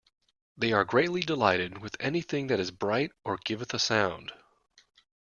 They are greatly delighted with anything that is bright or giveth a sound.